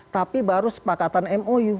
tapi baru sepakatan mou